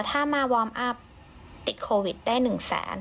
ถ้ามาวอร์มอัพติดโควิดได้๑แสน